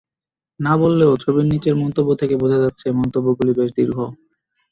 না বললেও ছবির নিচের মন্তব্য থেকে বোঝা যাচ্ছে মন্তব্যগুলি বেশ দীর্ঘ।